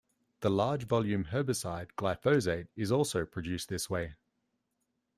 The large volume herbicide glyphosate is also produced this way.